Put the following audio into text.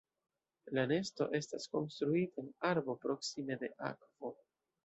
La nesto estas konstruita en arbo proksime de akvo.